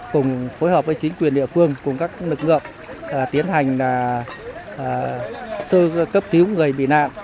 cùng phối hợp với chính quyền địa phương cùng các lực lượng tiến hành cấp thiếu người bị nạn